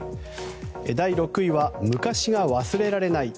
第６位は昔が忘れられない。